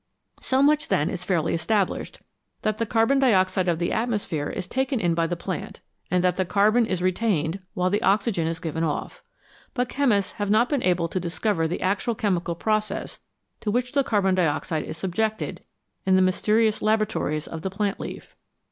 So much, then, is fairly established, that the carbon dioxide of the atmosphere is taken in by the plant, and that the carbon is retained while the oxygen is given off. But chemists have not been able to dis cover the actual chemical process to which the carbon dioxide is subjected in the mysterious laboratories of the plant leaf.